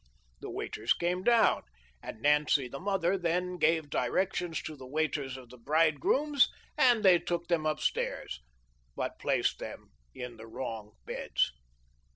The waiters came down, and Nancy the mother then gave directions to the waiters of the bridegrooms, and they took them upstairs but placed them in the wrong beds.